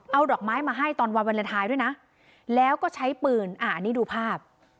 เอาดอกไม้มาให้ตอนวันวาเลนไทยด้วยนะแล้วก็ใช้ปืนอันนี้ดูภาพ